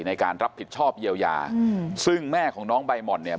ในการรับผิดชอบเยียวยาอืมซึ่งแม่ของน้องใบหม่อนเนี่ย